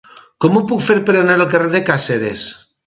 Com ho puc fer per anar al carrer de Càceres?